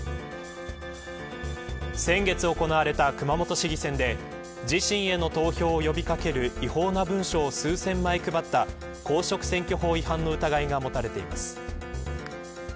先月行われた熊本市議選で自身への投票を呼び掛ける違法な文書を数千枚配った、公職選挙法違反の疑いが持たれています。